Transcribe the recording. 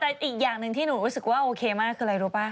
แต่อีกอย่างหนึ่งที่หนูรู้สึกว่าโอเคมากคืออะไรรู้ป่ะ